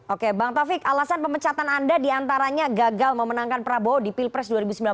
oke bang taufik alasan pemecatan anda diantaranya gagal memenangkan prabowo di pilpres dua ribu sembilan belas